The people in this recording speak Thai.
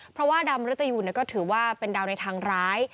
เพราะว่าดาวมริตยูนก็ถือว่าเป็นดาวในทางร้าย